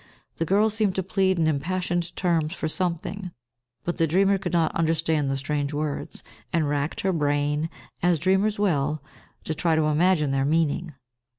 The girl seemed to plead in impassioned terms for something, but the dreamer could not understand the strange words, and racked her brain, as dreamers will, to try to imagine their meaning.